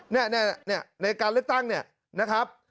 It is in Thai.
นี่ในการเลือกตั้งนะครับ